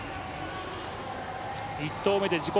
１投目で自己